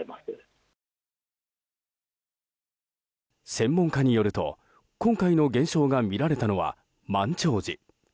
専門家によると、今回の現象が見られたのは満潮時。